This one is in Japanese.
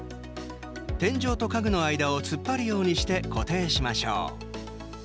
天井と家具の間を突っ張るようにして固定しましょう。